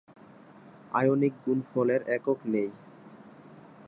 Ionic গুণফল এর একক নেই।